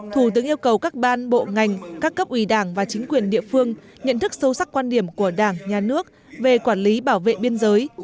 thủ tướng yêu cầu các ban bộ ngành các cấp ủy đảng và chính quyền địa phương nhận thức sâu sắc quan điểm của đảng nhà nước về quản lý bảo vệ biên giới